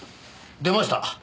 出ました。